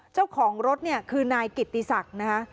เจ้าของรถเนี่ยคือนายกิตติศักดิ์นะคะ